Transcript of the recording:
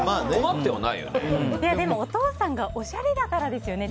でもお父さんがおしゃれだからですよね。